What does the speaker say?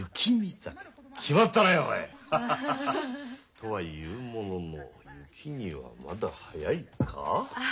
とは言うものの雪にはまだ早いか。